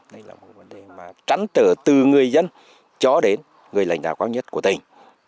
đây là một vấn đề mà trắng trở từ người dân cho đến người lãnh đạo cao nhất của tỉnh